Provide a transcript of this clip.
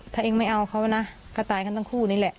ถ้าเองไม่เอาเขานะก็ตายกันทั้งคู่นี่แหละ